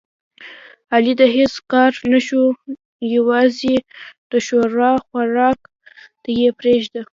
علي د هېڅ کار نشو یووازې د ښوروا خوراک ته یې پرېږده.